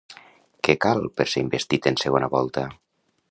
Què cal per ser investit en segona volta?